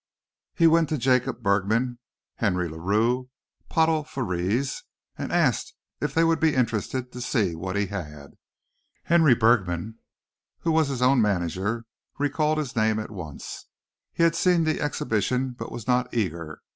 He went to Jacob Bergman, Henry LaRue, Pottle Frères and asked if they would be interested to see what he had. Henry Bergman, who was his own manager, recalled his name at once. He had seen the exhibition but was not eager.